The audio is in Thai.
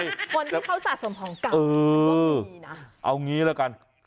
เอา๐๑วันให้เขาสะสมผงกลางในคุณค่ะเออเอางี้ละกัน